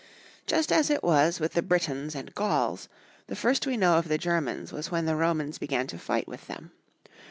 JUST as it was with the Britons and Ganls, the first we know of the Germans was when the Romans began to fight witli them.